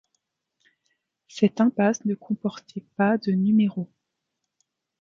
Cette impasse ne comportait pas de numéros.